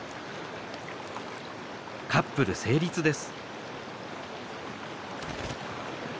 カップル成立です。